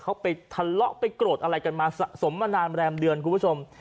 เขาไปทะเลาะไปโกรธอะไรกันมาสะสมมานานแรมเดือนคุณผู้ชม